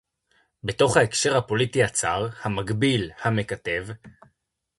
בתוך ההקשר הפוליטי הצר, המגביל, המקטב